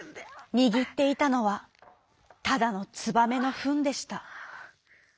にぎっていたのはただのつばめのふんでした。